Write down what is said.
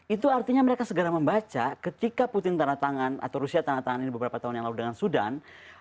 itu artinya mereka segera membaca ketika putin tanah tangan atau rusia tanah tangan ini beberapa tahun yang lalu dengan sudan